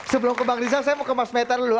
sebelum ke bang rizal saya mau ke mas metar dulu